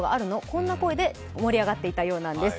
こんな声で盛り上がっていたようなんです。